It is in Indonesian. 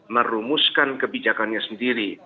merumuskan kebijakannya sendiri